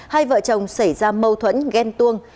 hai vợ chồng xảy ra mâu thuẫn ghen tuông